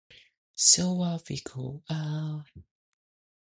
The subject was "Radiation and the Quanta".